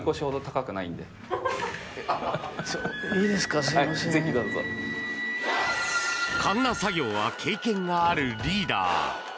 かんな作業は経験があるリーダー。